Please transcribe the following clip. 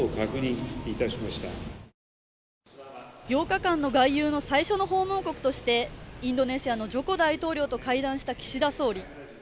８日間の外遊の最初の訪問国としてインドネシアのジョコ大統領と会談した岸田総理。